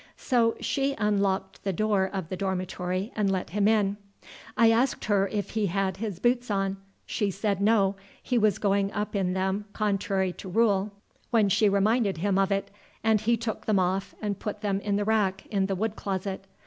So she unlocked the door of the dormitory and let him in. I asked her if he had his boots on. She said no; he was going up in them, contrary to rule, when she reminded him of it, and he took them off and put them in the rack in the wood closet.